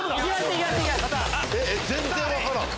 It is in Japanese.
えっ全然分からん。